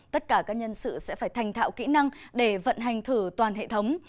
tất cả các nhân sự sẽ phải thành thạo kỹ năng để vận hành thử toàn hệ thống